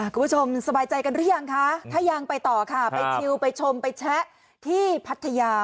สบายใจกันหรือยังคะถ้ายังไปต่อค่ะไปชิวไปชมไปแชะที่พัทยา